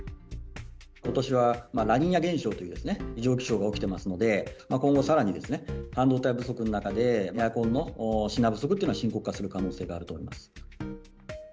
ことしはラニーニャ現象という異常気象が起きていますので、今後さらに半導体不足の中で、エアコンの品不足というのが深刻化する可能性があると思います。